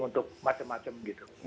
untuk macam macam gitu